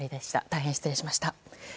大変失礼しました。